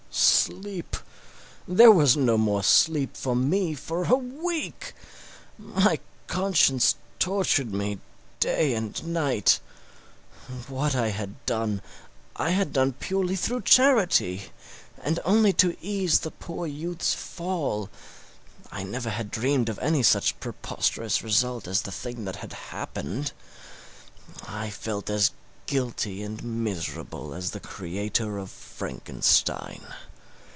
Sleep! There was no more sleep for me for a week. My conscience tortured me day and night. What I had done I had done purely through charity, and only to ease the poor youth's fall I never had dreamed of any such preposterous result as the thing that had happened. I felt as guilty and miserable as the creator of Frankenstein.